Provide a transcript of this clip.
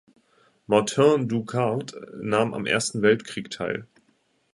Martin du Gard nahm am Ersten Weltkrieg teil.